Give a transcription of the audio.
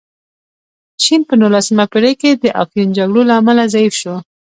چین په نولسمه پېړۍ کې د افیون جګړو له امله ضعیف شو.